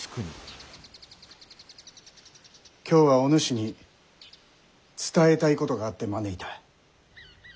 今日はお主に伝えたいことがあって招いた。